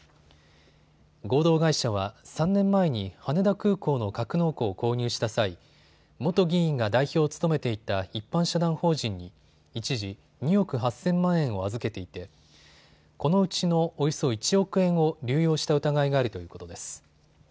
合同会社は３年前に羽田空港の格納庫を購入した際、元議員が代表を務めていた一般社団法人に一時、２億８０００万円を預けていてこのうちのおよそ１億円を流用した疑いがあるということです。